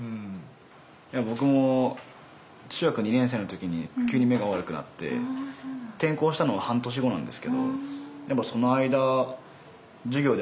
僕も中学２年生の時に急に目が悪くなって転校したのが半年後なんですけどその間授業ではね